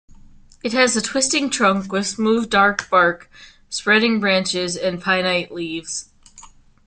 It has a twisting trunk with smooth dark bark, spreading branches and pinnate leaves.